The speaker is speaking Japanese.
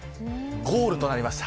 ゴールとなりました。